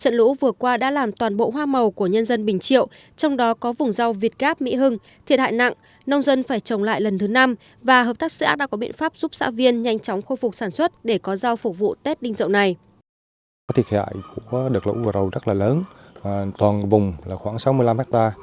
trận lũ vừa qua đã làm toàn bộ hoa màu của nhân dân bình triệu trong đó có vùng rau việt gáp mỹ hưng thiệt hại nặng nông dân phải trồng lại lần thứ năm và hợp tác xã đã có biện pháp giúp xã viên nhanh chóng khôi phục sản xuất để có rau phục vụ tết đinh dậu này